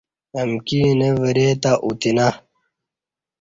امکی اینہ ورے تہ اوتینہ